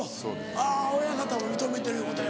あぁ親方も認めてるいうことや。